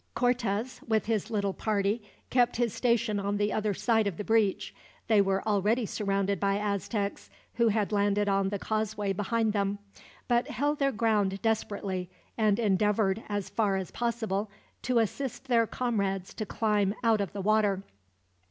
Cortez, with his little party, kept his station on the other side of the breach. They were already surrounded by Aztecs, who had landed on the causeway behind them; but held their ground desperately, and endeavored, as far as possible, to assist their comrades to climb out of the water.